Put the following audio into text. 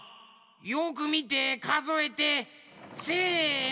よくみてかぞえてせの！